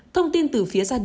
thông tin từ phía xã an hồng